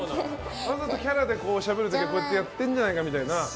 わざとキャラでしゃべる時はこうやってるんじゃないかみたいな。